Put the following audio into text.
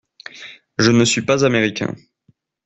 Je ne suis pas Américain.